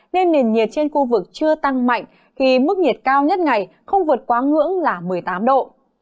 nên nền nhiệt trên khu vực chưa tăng mạnh khi mức nhiệt cao nhất ngày không vượt quá ngưỡng là một mươi tám độ